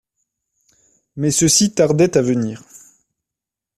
Mais ceux-ci tardaient à venir